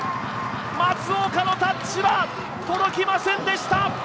松岡のタッチは届きませんでした